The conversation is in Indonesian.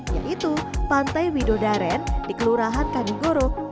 yaitu pantai widodaren di kelurahan kanigoro